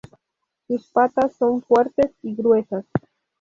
Sus patas son fuertes y gruesas.